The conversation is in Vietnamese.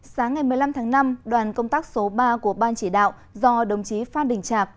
sáng ngày một mươi năm tháng năm đoàn công tác số ba của ban chỉ đạo do đồng chí phan đình trạc